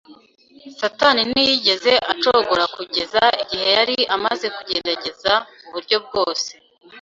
Satani ntiyigeze acogora kugeza igihe yari amaze kugerageza uburyo bwose